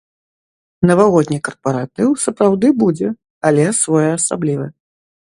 Навагодні карпаратыў сапраўды будзе, але своеасаблівы.